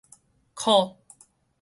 洘